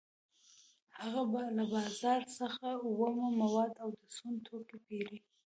هغه له بازار څخه اومه مواد او د سون توکي پېري